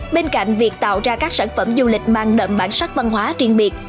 bên cạnh việc tạo ra các sản phẩm du lịch mang đậm bản sắc văn hóa riêng biệt